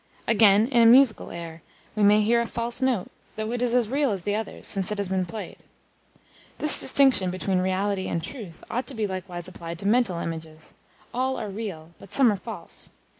Again, in a musical air, we may hear a false note, though it is as real as the others, since it has been played. This distinction between reality and truth ought to be likewise applied to mental images. All are real, but some are false.